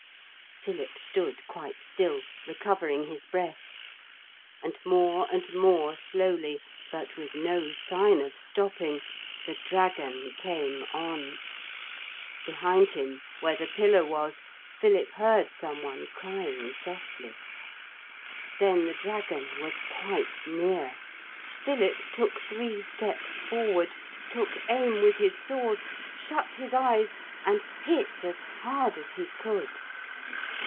Philip stood quite still, recovering his breath. And more and more slowly, but with no sign of stopping, the dragon came on. Behind him, where the pillar was, Philip heard some one crying softly. Then the dragon was quite near. Philip took three steps forward, took aim with his sword, shut his eyes and hit as hard as he could.